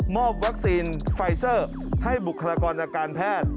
อบวัคซีนไฟเซอร์ให้บุคลากรอาการแพทย์